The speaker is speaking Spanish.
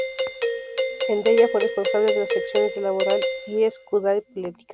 En "Deia" fue responsable de las secciones de Laboral y Euskadi-Política.